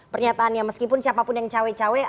pernyataannya meskipun siapapun yang cewek cewek